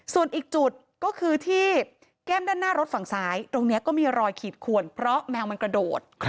ส่วนอีกจุดก็คือที่แก้มด้านหน้ารถฝั่งซ้ายตรงนี้ก็มีรอยขีดขวนเพราะแมวมันกระโดด